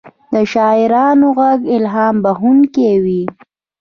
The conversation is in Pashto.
د شاعرانو ږغ الهام بښونکی وي.